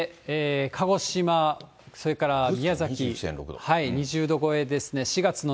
鹿児島、それから宮崎、２０度超えですね。